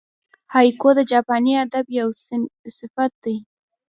هایکو د جاپاني ادب یو صنف دئ.